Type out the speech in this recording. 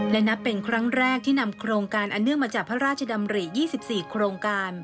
และนับเป็นครั้งแรกที่นำโครงการอันเนื่องมาจากพระราชดำริ๒๔โครงการ